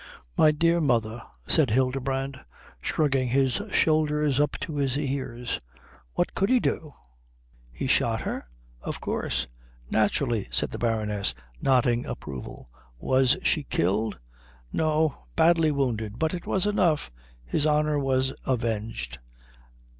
"My dear mother," said Hildebrand, shrugging his shoulders up to his ears, "what could he do?" "He shot her?" "Of course." "Naturally," said the Baroness, nodding approval. "Was she killed?" "No. Badly wounded. But it was enough. His honour was avenged."